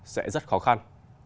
sẽ rất khó khăn